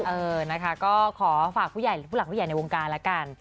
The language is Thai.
เออนะคะก็ขอฝากผู้หลักผู้ใหญ่ในวงการละกัน